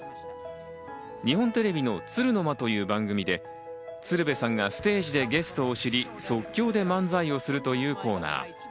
日本テレビの『鶴の間』という番組で鶴瓶さんがステージでゲストを知り、即興で漫才をするというコーナー。